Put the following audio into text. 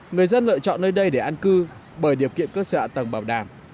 người dân lựa chọn nơi đây để ăn cư bởi điều kiện cơ sở tầng bảo đảm